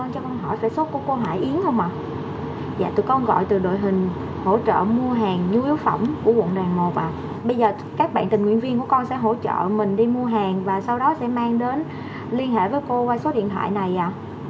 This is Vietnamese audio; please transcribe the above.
cô con sẽ hỗ trợ mình đi mua hàng và sau đó sẽ mang đến liên hệ với cô qua số điện thoại này ạ